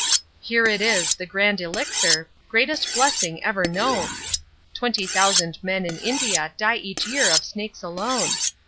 'Here it is, the Grand Elixir, greatest blessing ever known, Twenty thousand men in India die each year of snakes alone.